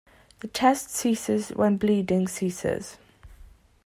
The test ceases when bleeding ceases.